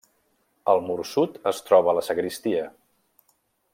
Al mur sud es troba la sagristia.